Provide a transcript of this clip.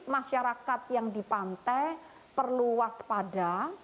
masyarakat yang di pantai perlu waspada